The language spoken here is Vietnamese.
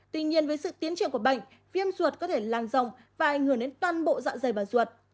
tuy nhiên với sự tiến triển của bệnh viêm ruột có thể lan rộng và ảnh hưởng đến toàn bộ dạ dày và ruột